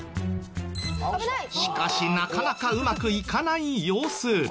しかしなかなかうまくいかない様子。